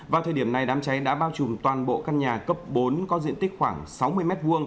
vào thời điểm này đám cháy đã bao trùm toàn bộ căn nhà cấp bốn có diện tích khoảng sáu mươi m hai